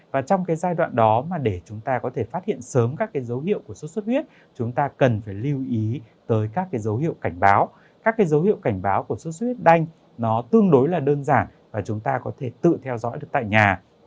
và trong cái giai đoạn đó mà để chúng ta có thể phát hiện sớm các cái dấu hiệu của sốt xuất huyết chúng ta cần phải lưu ý tới các cái dấu hiệu cảnh báo các dấu hiệu cảnh báo của sốt xuất huyết đanh nó tương đối là đơn giản và chúng ta có thể tự theo dõi được tại nhà